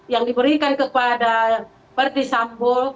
yang diberikan kepada verdi sambo